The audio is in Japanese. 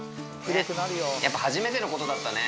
やっぱ初めてのことだったね。